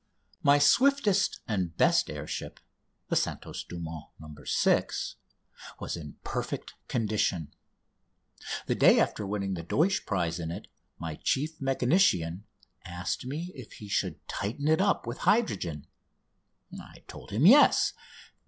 My swiftest and best air ship "The Santos Dumont No. 6" was in perfect condition. The day after winning the Deutsch prize in it my chief mechanician asked me if he should tighten it up with hydrogen. I told him yes.